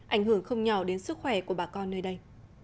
ảnh hưởng không nhỏ đến sức khỏe của bà con nơi đây